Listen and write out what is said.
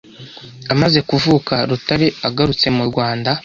amaze kuvuka, Rutare agarutse mu Rwanda